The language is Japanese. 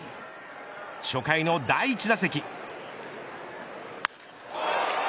初回の第１打席。